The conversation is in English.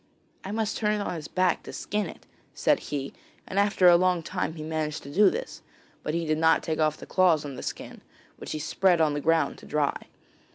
'I must turn it on its back to skin it,' said he, and after a long time he managed to do this: But he did not take off the claws on the skin, which he spread on the ground to dry.